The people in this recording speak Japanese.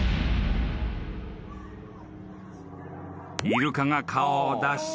［イルカが顔を出し］